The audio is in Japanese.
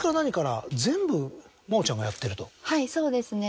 はいそうですね。